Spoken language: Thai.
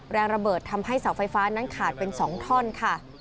แรงระเบิดทำให้เสาไฟฟ้านั้นขาดเป็น๒ท่อนค่ะ